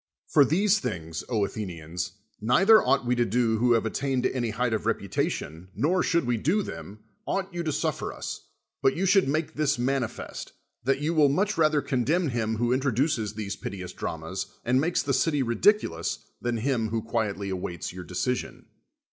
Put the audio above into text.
For these things, Athenians, neither ought we to do who have attained to any height of reputation, nor, should we do them, ought you to suffer us ; but you should make this manifest, that you will much rather condemn him who introduces these piteous dramas, and makes the city ridiculous, than him who quietly awaits your decision.